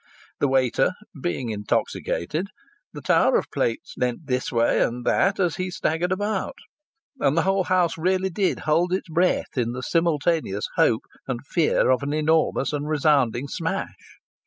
The waiter being intoxicated the tower of plates leaned this way and that as he staggered about, and the whole house really did hold its breath in the simultaneous hope and fear of an enormous and resounding smash.